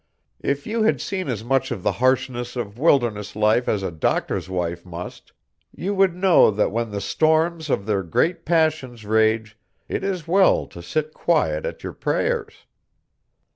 If you had seen as much of the harshness of wilderness life as a doctor's wife must you would know that when the storms of their great passions rage it is well to sit quiet at your prayers."